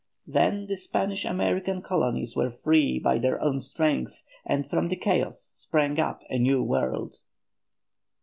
Then the Spanish American colonies were free by their own strength, and from the chaos sprang up a new world.